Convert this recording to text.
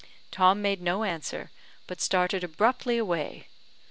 Tom made no answer, but started abruptly away.